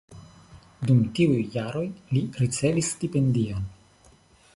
Dum tiuj jaroj li ricevis stipendion.